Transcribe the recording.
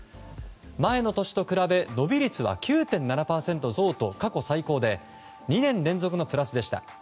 前の年と比べ伸び率は９．７％増と過去最高で２年連続のプラスでした。